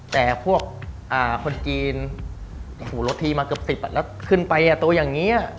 แต่พวกคนจีนโอ้โหรถทีมาเกือบ๑๐แล้วขึ้นไปตัวอย่างนี้